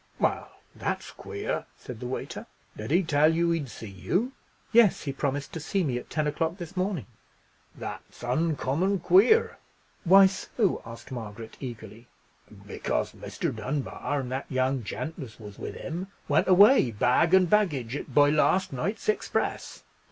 "Well, that's queer," said the waiter; "did he tell you he'd see you?" "Yes, he promised to see me at ten o'clock this morning." "That's uncommon queer." "Why so?" asked Margaret, eagerly. "Because Mr. Dunbar, and that young gent as was with him, went away, bag and baggage, by last night's express."